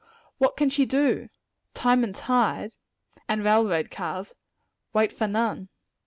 What can she do? "Time and tide," and railroad cars, "wait for none."